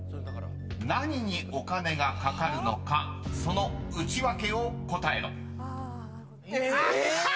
［何にお金がかかるのかそのウチワケを答えろ］え！